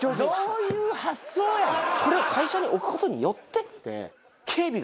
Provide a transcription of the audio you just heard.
これを会社に置くことによって。